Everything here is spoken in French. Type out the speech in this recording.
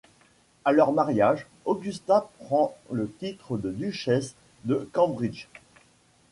À leur mariage, Augusta prend le titre de duchesse de Cambridge.